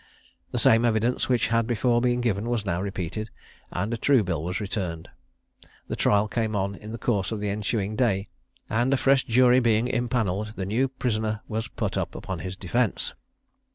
The same evidence which had before been given was now repeated, and a true bill was returned. The trial came on in the course of the ensuing day, and a fresh jury being impanelled, the new prisoner was put upon his defence.